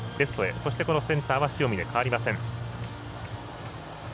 そしてセンターは塩見で代わりません。